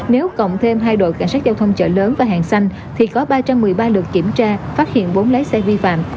nếu cộng thêm hai đội cảnh sát giao thông chợ lớn và hàng xanh thì có ba trăm một mươi ba lượt kiểm tra phát hiện bốn lái xe vi phạm